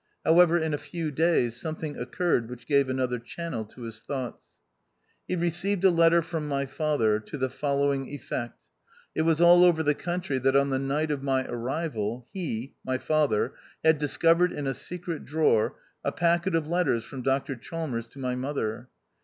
However, in a few days, something occurred which gave an other channel to his thoughts. He received a letter from my father, to the following effect : It was ail over the country, that on the night of my arrival, he (my father) had discovered in a secret drawer, a packet of letters from Dr Chalmers to my mother.